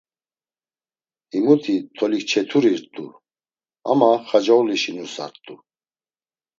Himuti Tolikçeturirt̆u ama Xacoğlişi nusart̆u.